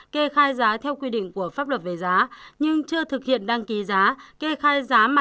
kê khai giá theo quy định của pháp luật về giá nhưng chưa thực hiện đăng ký giá